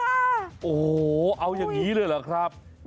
โอ้โหเอาอย่างนี้เลยเหรอครับ